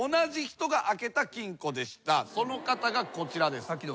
その方がこちらです。